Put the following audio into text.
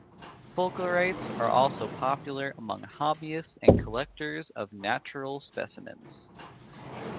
Fulgurites also are popular among hobbyists and collectors of natural specimens.